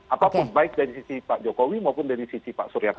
apapun baik dari sisi pak jokowi maupun dari sisi pak surya palo